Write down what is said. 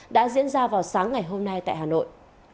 đã diễn ra vào sáng ngày hôm nay tại hà nội